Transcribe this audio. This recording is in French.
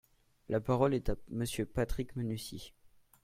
La parole est à Monsieur Patrick Mennucci.